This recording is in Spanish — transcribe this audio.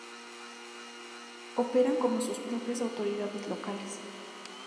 Operan como sus propias autoridades locales.